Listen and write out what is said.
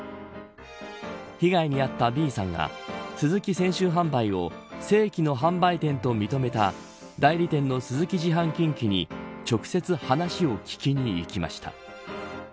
被害に遭ったＢさんがスズキ泉州販売を正規の販売店と認めた代理店のスズキ自販近畿に直接、話を聞きに行きました。